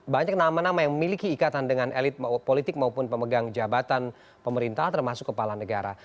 banyak nama nama yang memiliki ikatan dengan elit politik maupun pemegang jabatan pemerintah termasuk kepala negara